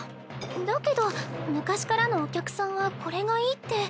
だけど昔からのお客さんはこれがいいって。